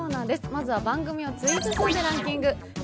まずは番組をツイート数でランキング。